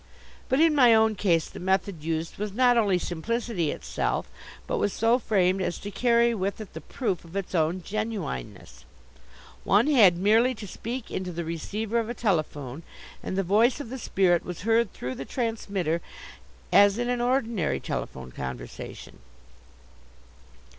But in my own case the method used was not only simplicity itself, but was so framed as to carry with it the proof of its own genuineness. One had merely to speak into the receiver of a telephone, and the voice of the spirit was heard through the transmitter as in an ordinary telephone conversation.